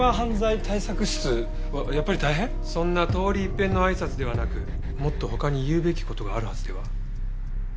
そんな通り一遍のあいさつではなくもっと他に言うべき事があるはずでは？